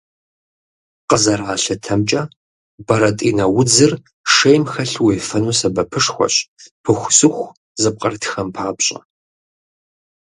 Къызэралъытэмкӏэ, бэрэтӏинэ удзыр шейм хэлъу уефэну сэбэпышхуэщ пыхусыху зыпкърытхэм папщӏэ.